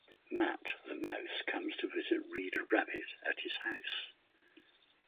Mat the Mouse comes to visit Reader Rabbit at his house.